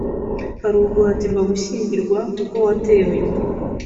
Hari uguhatirwa gushyingirwa kuko watewe inda